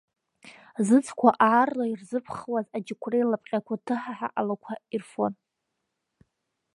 Зыцқәа аарла изрыԥхуаз аџьықәреи лапҟьақәа ҭыҳаҳа алақәа ирфон.